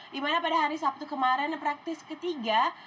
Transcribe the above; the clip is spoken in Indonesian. di mana pada hari sabtu kemarin practice ketiga